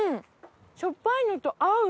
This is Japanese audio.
しょっぱいのと合う！